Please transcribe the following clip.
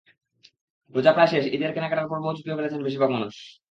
রোজা প্রায় শেষ, ঈদের কেনাকাটার পর্বও চুকিয়ে ফেলেছেন বেশির ভাগ মানুষ।